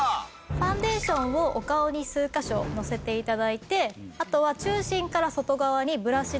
ファンデーションをお顔に数カ所のせて頂いてあとは中心から外側にブラシでのばして頂くだけです。